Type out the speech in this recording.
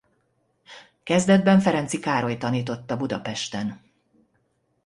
Kezdetben Ferenczy Károly tanította Budapesten.